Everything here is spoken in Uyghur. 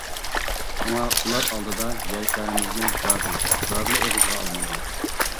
شۇڭا ئۇلار ئالدىدا يەر شارىمىزنى زادىلا زادىلا ئېغىزغا ئالمايمەن.